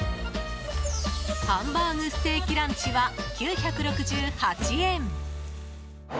ハンバーグステーキランチは９６８円。